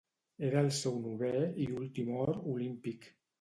Era el seu novè i últim or olímpic.